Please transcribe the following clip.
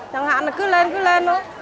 chẳng hạn là cứ lên cứ lên